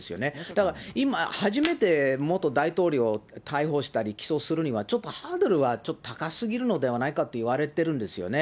だから今、初めて元大統領逮捕したり起訴するには、ちょっとハードルはちょっと高すぎるのではないかっていわれてるんですよね。